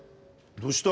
どうした？